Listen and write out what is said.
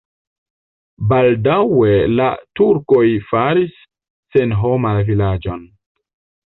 Baldaŭe la turkoj faris senhoma la vilaĝon.